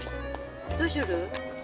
どうする？